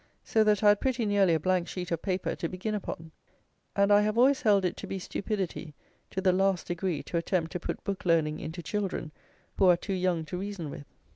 So that I had pretty nearly a blank sheet of paper to begin upon; and I have always held it to be stupidity to the last degree to attempt to put book learning into children who are too young to reason with.